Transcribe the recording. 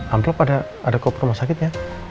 amplop ada kop rumah sakitnya